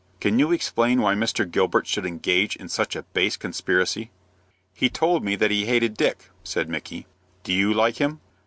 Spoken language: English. Can you explain why Mr. Gilbert should engage in such a base conspiracy?" "He told me that he hated Dick," said Micky. "Do you like him?"